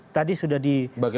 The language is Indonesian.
tadi sudah disampaikan